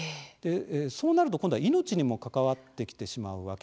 そうなると今度は命にも関わってきてしまうわけですよね。